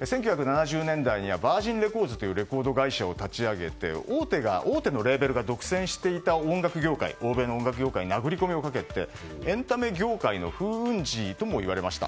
１９７０年代にはヴァージンレコーズというレコード会社を立ち上げて大手のレーベルが独占していた欧米小野ン学業界に殴り込みをかけてエンタメ業界の風雲児ともいわれました。